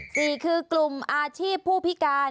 สี่คือกลุ่มอาชีพผู้พิการ